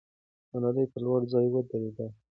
ملالۍ په لوړ ځای ودرېده.